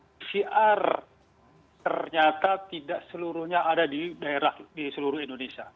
pcr ternyata tidak seluruhnya ada di daerah di seluruh indonesia